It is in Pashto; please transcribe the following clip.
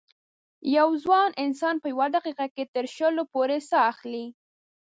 یو ځوان انسان په یوه دقیقه کې تر شلو پورې سا اخلي.